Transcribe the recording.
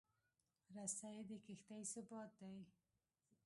رسۍ د کښتۍ ثبات دی.